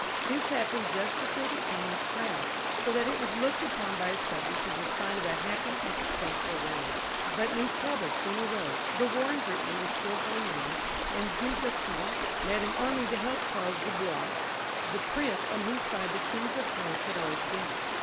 This happened just before the king was crowned, so that it was looked upon by his subjects as a sign of a happy and successful reign. But new troubles soon arose ; the war in Brittany was still going on, and Du Guesclin led an army to help Charles de Blois,'the prince on whose side the kings of France had always been.